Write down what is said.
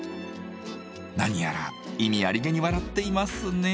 何やら意味ありげに笑っていますね？